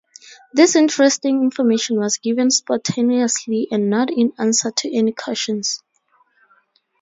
This interesting information was given spontaneously and not in answer to any questions.